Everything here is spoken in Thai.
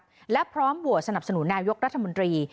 ก็น่าหยุดความพร้อมโหวตสนับสนุนนายกรัฐมนตรี